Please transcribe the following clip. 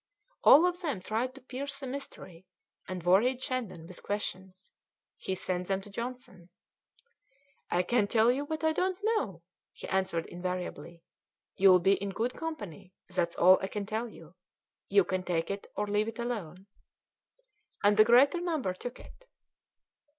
All of them tried to pierce the mystery, and worried Shandon with questions; he sent them to Johnson. "I can't tell you what I don't know," he answered invariably; "you'll be in good company, that's all I can tell you. You can take it or leave it alone." And the greater number took it.